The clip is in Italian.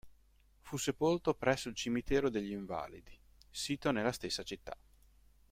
Fu sepolto presso il Cimitero degli Invalidi, sito nella stessa città.